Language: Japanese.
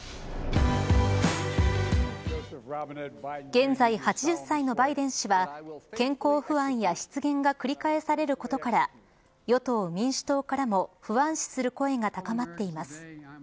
現在８０歳のバイデン氏は健康不安や失言が繰り返されることから与党、民主党からも不安視する声が高まっています。